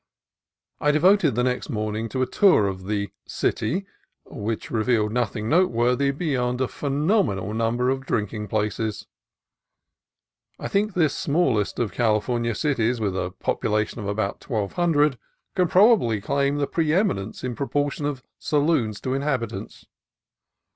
I devoted the next morning to a tour of the "city," which revealed nothing noteworthy beyond a phe nomenal number of drinking places. I think this smallest of California cities, with a population of about twelve hundred, can probably claim the pre eminence in proportion of saloons to inhabitants.